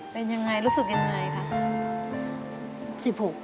เป็นยังไงรู้สึกยังไงคะ